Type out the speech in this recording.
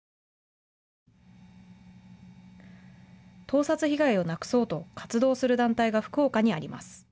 盗撮被害をなくそうと活動する団体が福岡にあります。